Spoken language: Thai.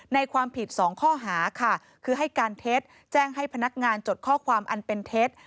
ในความผิดสองข้อหาค่ะคือให้การเท็จแจ้งให้พนักงานจดข้อความอันเป็นเท็จ